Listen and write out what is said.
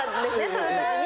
その時に。